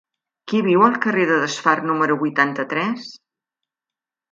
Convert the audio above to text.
Qui viu al carrer de Desfar número vuitanta-tres?